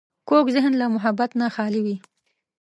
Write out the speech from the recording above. کوږ ذهن له محبت نه خالي وي